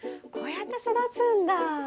こうやって育つんだ。